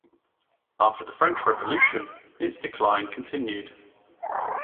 After the French Revolution, its decline continued.